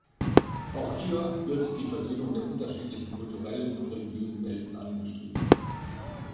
Auch hier wird die Versöhnung der unterschiedlichen kulturellen und religiösen Welten angestrebt.